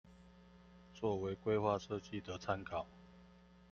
作為規劃設計的參考